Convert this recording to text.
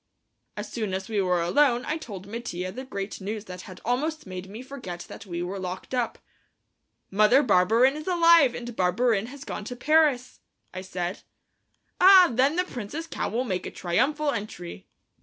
As soon as we were alone I told Mattia the great news that had almost made me forget that we were locked up. "Mother Barberin is alive, and Barberin has gone to Paris!" I said. "Ah, then the Prince's cow will make a triumphal entry."